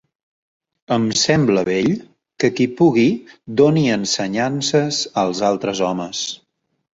Em sembla bell que qui pugui doni ensenyances als altres homes.